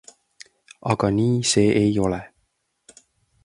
Aga nii see ei ole.